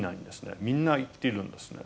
みんな生きているんですね。